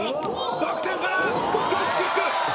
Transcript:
バク転からドロップキック